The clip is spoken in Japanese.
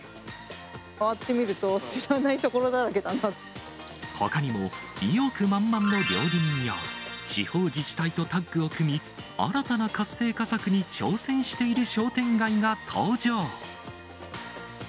回ってみると知らないところほかにも意欲満々の料理人や、地方自治体とタッグを組み、新たな活性化策に挑戦している商店街が登場。